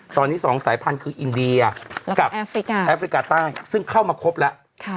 ตอนนี้๒สายพันธุ์คืออินเดียกับแอฟริกาใต้ซึ่งเข้ามาครบแล้ว